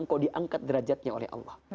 engkau diangkat derajatnya oleh allah